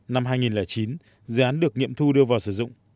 năm hai nghìn chín dự án được nghiệm thu đưa vào sử dụng